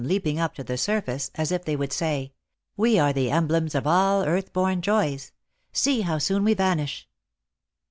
leaping up to the surface, as if they would say, "We are tha emblems of all earthborn joys ; see how soon we vanish